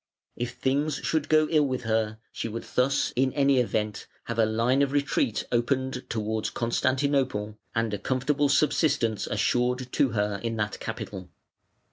If things should go ill with her she would thus, in any event, have a line of retreat opened towards Constantinople and a comfortable subsistence assured to her in that capital.